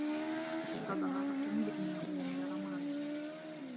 تظاهر توم بأنه لم يرى ماري.